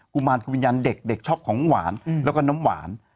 ุมารคือวิญญาณเด็กเด็กช็อกของหวานแล้วก็น้ำหวาน